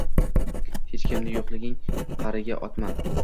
Hech kimni yo‘qlikning qa’riga otma.